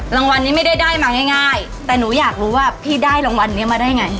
รางวัลนี้ไม่ได้ได้มาง่ายแต่หนูอยากรู้ว่าพี่ได้รางวัลนี้มาได้ไง